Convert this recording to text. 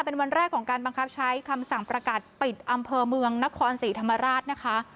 เป็นวันแรกของการบังคับใช้คำสั่งประกาศปิดอำเภอเมืองนครศรีธรรมราชนะคะ